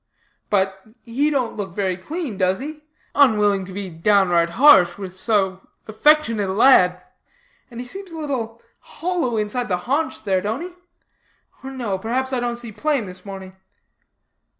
'But, he don't look very clean, does he?' unwilling to be downright harsh with so affectionate a lad; 'and he seems a little hollow inside the haunch there, don't he? or no, perhaps I don't see plain this morning.'